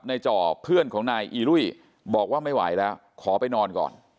จ่อเพื่อนของนายอีรุ่ยบอกว่าไม่ไหวแล้วขอไปนอนก่อน